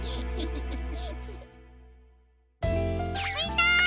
みんな！